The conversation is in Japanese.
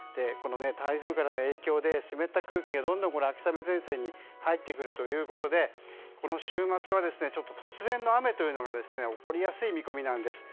台風からの影響で湿った空気がどんどん秋雨前線に入ってくるということでこの週末は突然の雨というのが起こりやすい見込みなんです。